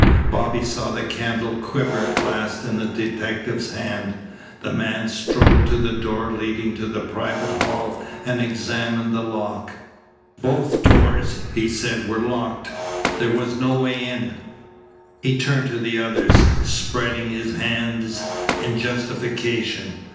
Bobby saw the candle quiver at last in the detective's hand. The man strode to the door leading to the private hall and examined the lock. "Both doors," he said, "were locked. There was no way in " He turned to the others, spreading his hands in justification.